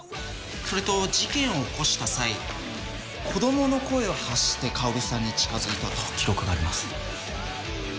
それと事件を起こした際子供の声を発して薫さんに近づいたと記録があります。